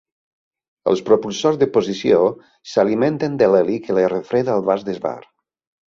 Els propulsors de posició s'alimenten de l'heli que refreda el vas Dewar.